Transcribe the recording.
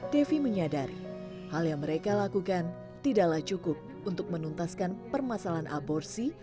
devi menyadari hal yang mereka lakukan tidaklah cukup untuk menuntaskan permasalahan aborsi